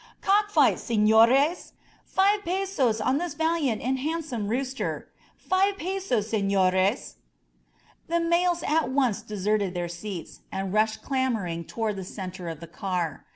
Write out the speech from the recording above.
^'Cock fight, sefiores! Five pesos on this valiant and handsome rooster. Five pesos, sefiores!" The males at once deserted their seats and rushed clamoring toward the center of the car.